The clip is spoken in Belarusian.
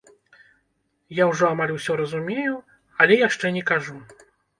Я ўжо амаль усё разумею, але яшчэ не кажу.